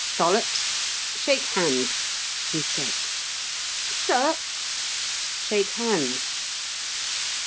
"Dollops, shake hands," he said. "Sir!" "Shake hands."